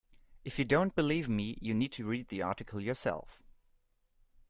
If you don't believe me, you need to read the article yourself